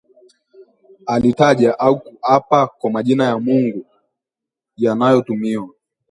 alitaja au kuapa kwa majina ya Mungu yanayotumiwa